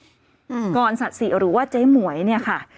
อืมกรสรรสิชย์หรือว่าใจมวยเนี่ยค่ะ